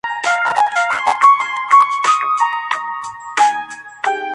Su pericarpo y las flores son tubulares con pequeñas escalas.